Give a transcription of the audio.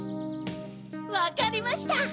・わかりました！